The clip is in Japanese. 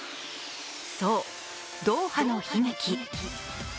そう、ドーハの悲劇。